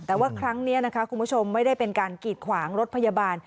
แต่ว่าครั้งนี้นะคะคุณผู้ชมไม่ได้เป็นการกีดขวางรถพยาบาล